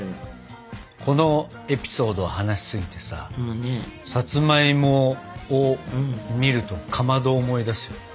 このエピソードを話しすぎてささつまいもを見るとかまどを思い出すよね。